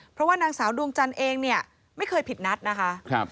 เพราะว่านางสาวดวงจันทร์เองเนี่ยไม่เคยผิดนัดนะคะ